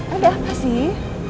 ada apa sih